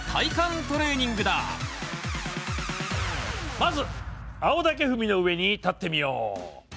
まず青竹踏みの上に立ってみよう！